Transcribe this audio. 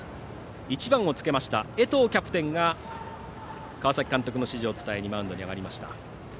１番をつけました江藤キャプテンが川崎監督の指示を伝えにマウンドに上がりました。